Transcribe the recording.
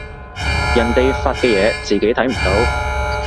人哋發嘅嘢自己睇唔到